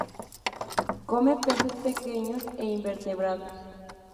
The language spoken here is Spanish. Come peces pequeños e invertebrados.